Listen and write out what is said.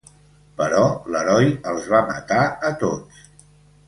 Però l'heroi els va matar a tots.